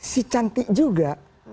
si cantik juga